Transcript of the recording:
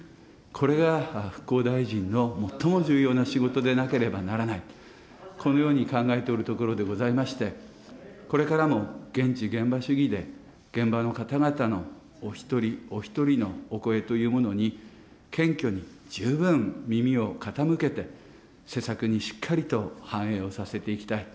これが復興大臣の最も重要な仕事でなければならない、このように考えておるところでございまして、これからも現地、現場主義で現場の方々のお一人お一人のお声というものに謙虚に十分耳を傾けて、施策にしっかりと反映をさせていきたい。